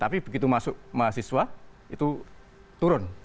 tapi begitu masuk mahasiswa itu turun